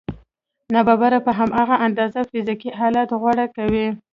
ناببره په هماغه اندازه فزيکي حالت غوره کوي.